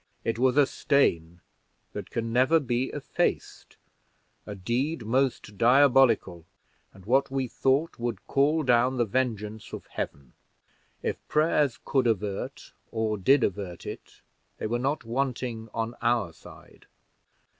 It was a stain that can never be effaced a deed most diabolical, and what we thought would call down the vengeance of Heaven. If prayers could avert, or did avert it, they were not wanting on our side."